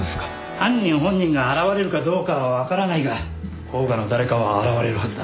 犯人本人が現れるかどうかは分からないが甲賀の誰かは現れるはずだ。